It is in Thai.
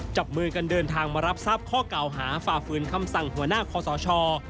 จับมือกันเดินทางมารับทราบข้อเก่าหาฝ่าฝืนคำสั่งหัวหน้าคอสช